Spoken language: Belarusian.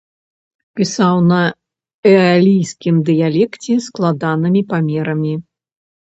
Пісаў на эалійскім дыялекце, складанымі памерамі.